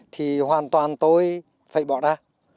thì hoàn toàn tôi phải bỏ ra